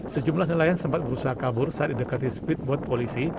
sejumlah nelayan sempat berusaha kabur saat didekati speedboat polisi